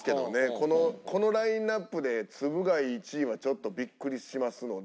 このラインアップでつぶ貝１位はちょっとビックリしますので。